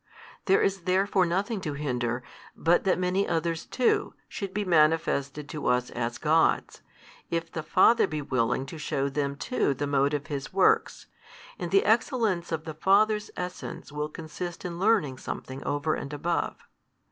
There is therefore nothing to hinder, but that many others too should be manifested to us as gods, if the Father be willing to shew them too the mode of His works, and the excellence of the Father's Essence will consist in learning something over and above.